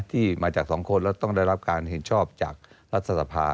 ที่มาจากสองคนแล้วต้องได้รับการเห็นชอบจากรัฐสภา